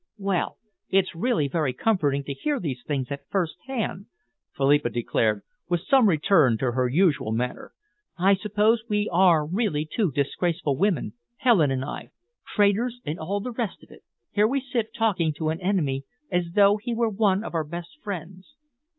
"Well, it's really very comforting to hear these things at first hand," Philippa declared, with some return to her usual manner. "I suppose we are really two disgraceful women, Helen and I traitors and all the rest of it. Here we sit talking to an enemy as though he were one of our best friends."